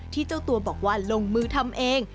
เจ้าตัวบอกว่าลงมือทำเอง